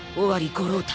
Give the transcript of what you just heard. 五郎太